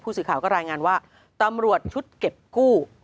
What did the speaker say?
สื่อข่าวก็รายงานว่าตำรวจชุดเก็บกู้